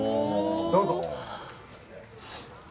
どうぞ！